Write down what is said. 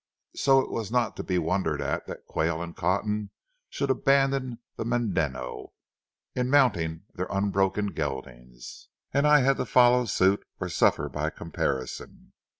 So it was not to be wondered at that Quayle and Cotton should abandon the medeno in mounting their unbroken geldings, and I had to follow suit or suffer by comparison.